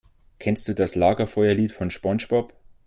Kennst du das Lagerfeuerlied von SpongeBob?